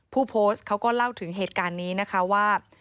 ผู้โพสต์เขาก็เล่าถึงเหตุการณ์นี้นะคะว่า